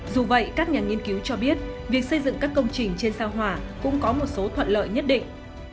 dù vậy các nhà nghiên cứu cho biết việc xây dựng các công trình trên sao hỏa cũng có một số thuận lợi nhất định